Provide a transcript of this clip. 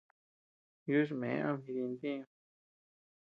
Yuchme ama jidi ntiñu.